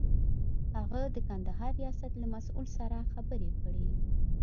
هغه د کندهار ریاست له مسئول سره خبرې کړې.